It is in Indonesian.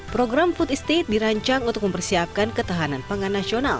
program food estate dirancang untuk mempersiapkan ketahanan pangan nasional